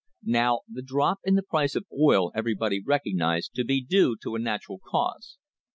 Now the drop in the price of oil everybody recognised to be due to a natural cause.